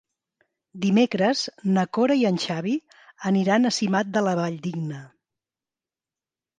Dimecres na Cora i en Xavi aniran a Simat de la Valldigna.